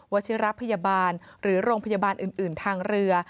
ชิระพยาบาลหรือโรงพยาบาลอื่นทางเรือ